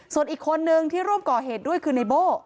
ส่วนอีกคนนึงที่ร่วมก่อเหตุด้วยคือในโบ้